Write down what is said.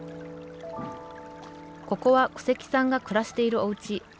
ここは古関さんが暮らしているおうち。